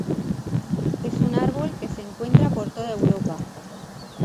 Es un árbol que se encuentra por toda Europa.